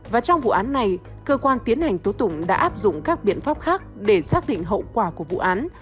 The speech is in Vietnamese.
và trong vụ án này cơ quan tiến hành tố tụng đã áp dụng các biện pháp khác để xác định hậu quả của vụ án